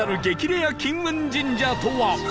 レア金運神社とは？